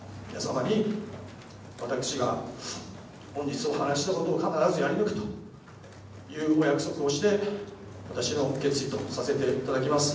皆様に私が本日お話ししたことを必ずやり抜くということをお約束をして、私の決意とさせていただきます。